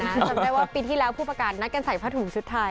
จำได้ว่าปีที่แล้วผู้ประกาศนัดกันใส่ผ้าถุงชุดไทย